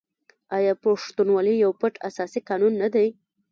آیا پښتونولي یو پټ اساسي قانون نه دی؟